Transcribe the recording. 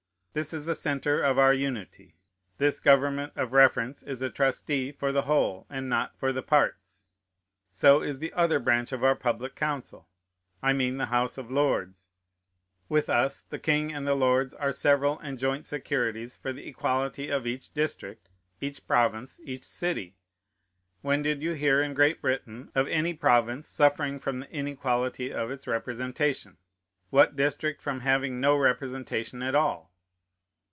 This is the centre of our unity. This government of reference is a trustee for the whole, and not for the parts. So is the other branch of our public council: I mean the House of Lords. With us the King and the Lords are several and joint securities for the equality of each district, each province, each city. When did you hear in Great Britain of any province suffering from the inequality of its representation? what district from having no representation at all?